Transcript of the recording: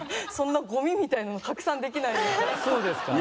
そんなゴミみたいなの拡散できないです。